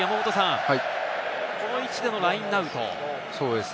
この位置でのラインアウト。